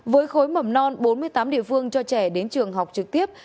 với khối mầm non bốn mươi tám địa phương cho trẻ đến trường học trực tiếp